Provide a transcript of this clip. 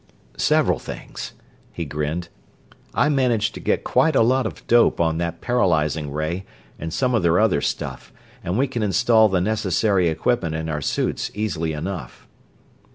"Several things," he grinned. "I managed to get quite a lot of dope on that paralyzing ray and some of their other stuff, and we can install the necessary equipment in our suits easily enough."